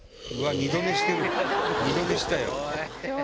二度寝したよ。